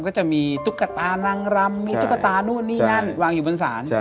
ก็จะมีตุ๊กตานางรำมีตุ๊กตานู่นนี่นั่นวางอยู่บนศาล